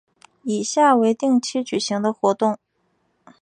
以下为定期举行的活动